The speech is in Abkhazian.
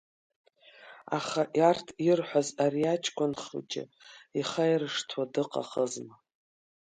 Аха арҭ ирҳәаз ари аҷкәын хәыҷы ихаиршҭыхуа дыҟахызма.